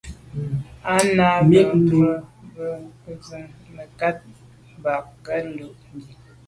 À’ nâ’ bə́ mbrə̀ bú gə ́yɑ́nə́ zə̀ mə̀kát mbâ ngɑ̀ lù’ə́.